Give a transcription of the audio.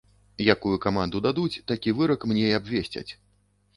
Якую каманду дадуць, такі вырак мне і абвесцяць.